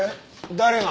誰が？